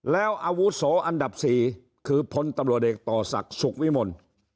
แล้วอาวุโสอันดับสี่คือพตเกสักศุกร์วิมล